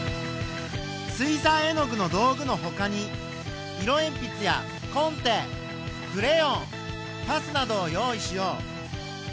水さい絵の具の道具の他に色えん筆やコンテクレヨンパスなどを用意しよう。